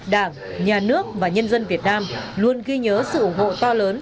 đảng nhà nước và nhân dân việt nam luôn ghi nhớ sự ủng hộ to lớn